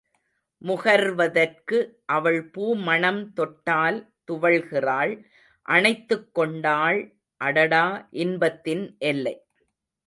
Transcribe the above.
முகர்வதற்கு அவள் பூ மணம் தொட்டால் துவள்கிறாள் அணைத்துக் கொண்டாள் அடடா இன்பத்தின் எல்லை.